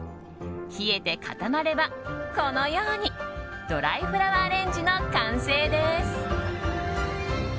冷えて固まれば、このようにドライフラワーアレンジの完成です。